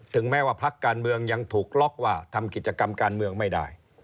แม้ว่าพักการเมืองยังถูกล็อกว่าทำกิจกรรมการเมืองไม่ได้